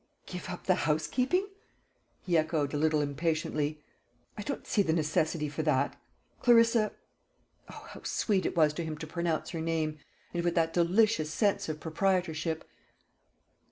"Give up the housekeeping!" he echoed a little impatiently; "I don't see the necessity for that. Clarissa" oh, how sweet it was to him to pronounce her name, and with that delicious sense of proprietorship!